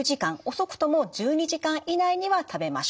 遅くとも１２時間以内には食べましょうと。